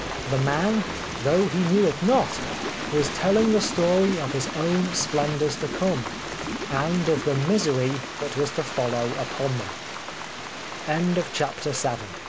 The man, though he knew it not, was telling the story of his own splendours to come, and of the misery that was to follow up